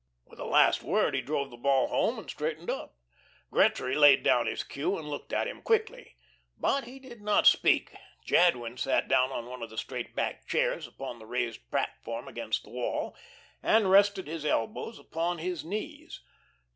_" With the last word he drove the ball home and straightened up. Gretry laid down his cue and looked at him quickly. But he did not speak. Jadwin sat down on one of the straight backed chairs upon the raised platform against the wall and rested his elbows upon his knees.